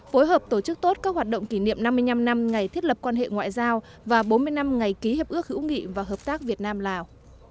phối hợp tổ chức tốt các hoạt động kỷ niệm năm mươi năm năm ngày thiết lập quan hệ ngoại giao và bốn mươi năm ngày ký hiệp ước hữu nghị và hợp tác việt nam lào